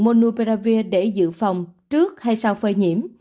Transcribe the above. không được sử dụng monopiravir để giữ phòng trước hay sau phơi nhiễm